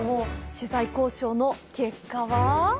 取材交渉の結果は。